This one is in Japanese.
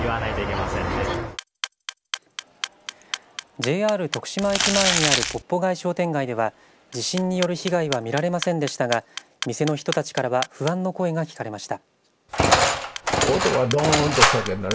ＪＲ徳島駅前にあるポッポ街商店街では地震による被害は見られませんでしたが店の人たちからは不安の声が聞かれました。